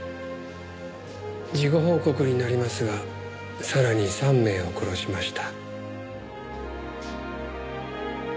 事後報告になりますがさらに３名を殺しました。